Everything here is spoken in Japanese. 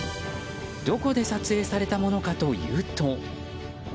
どこで撮影されたものかというと。